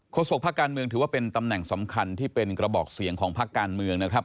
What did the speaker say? โศกภาคการเมืองถือว่าเป็นตำแหน่งสำคัญที่เป็นกระบอกเสียงของภาคการเมืองนะครับ